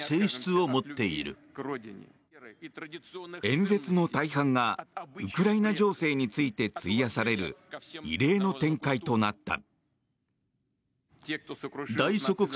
演説の大半がウクライナ情勢について費やされる異例の展開となった。